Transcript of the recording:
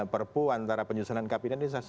perpu antara penyusunan kabinet selesai